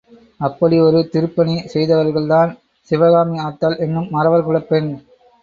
அப்படி ஒரு திருப்பணி செய்தவர்தான் சிவகாமி ஆத்தாள் என்னும் மறவர் குலப் பெண்.